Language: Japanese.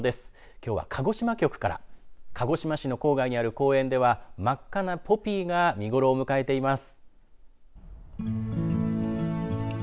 きょうは鹿児島局から鹿児島市の郊外にある公園では真っ赤なポピーが見頃を迎えています。